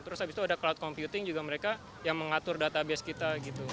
terus habis itu ada cloud computing juga mereka yang mengatur database kita gitu